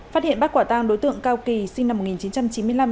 phát hiện bắt quả tang đối tượng cao kỳ sinh năm một nghìn chín trăm chín mươi năm